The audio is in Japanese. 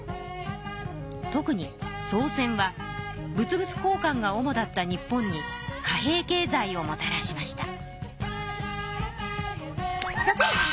特に宋銭は物々交かんがおもだった日本に貨幣経済をもたらしました。